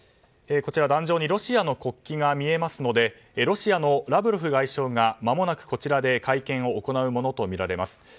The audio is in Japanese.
壇上にロシアの国旗が見えますのでロシアのラブロフ外相がまもなく、こちらで会見を行うものとみられます。